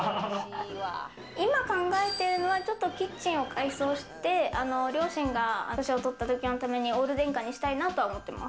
今考えてるのはキッチンを改装して両親が年をとったときにオール電化にしたいなと思ってます。